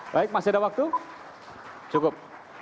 baik masih ada waktu cukup